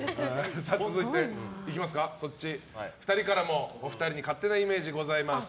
続いて、２人からもお二人に勝手なイメージございます。